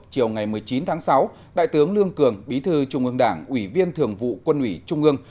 chiều ngày một mươi chín tháng sáu đại tướng lương cường bí thư trung ương đảng ủy viên thường vụ quân ủy trung ương